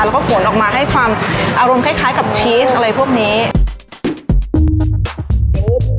แล้วก็ผลออกมาให้ความอารมณ์คล้ายกับชีสอะไรพวกนี้